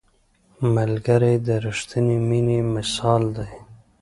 ملګری د رښتیني مینې مثال دی